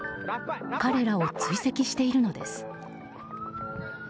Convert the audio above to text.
彼らを追跡しているのです。